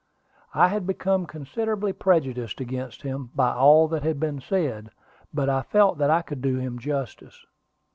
I had become considerably prejudiced against him by all that had been said; but I felt that I could do him justice.